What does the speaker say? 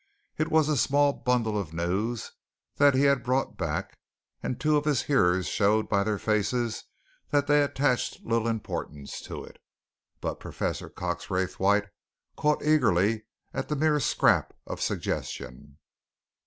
It was a small bundle of news that he had brought back and two of his hearers showed by their faces that they attached little importance to it. But Professor Cox Raythwaite caught eagerly at the mere scrap of suggestion.